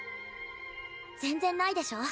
全然ないでしょ。